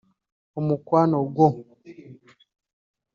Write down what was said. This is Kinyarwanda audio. Omukwano Gwo